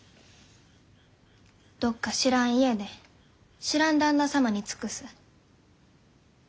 どっか知らん家で知らん旦那様に尽くす。